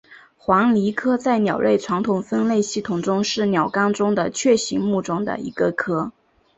黄鹂科在鸟类传统分类系统中是鸟纲中的雀形目中的一个科。